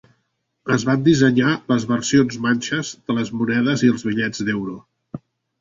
Es van dissenyar les versions manxes de les monedes i els bitllets d'euro.